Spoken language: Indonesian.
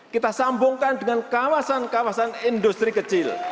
kita sambungkan dengan kawasan kawasan industri kecil